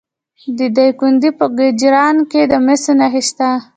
د دایکنډي په کجران کې د مسو نښې شته.